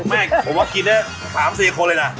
ไม่ผมว่ากินได้๓๔คนเลยนะ